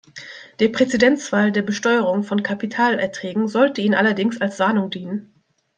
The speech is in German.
Der Präzedenzfall der Besteuerung von Kapitalerträgen sollte Ihnen allerdings als Warnung dienen.